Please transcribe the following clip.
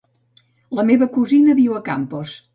La meva cosina viu a Campos.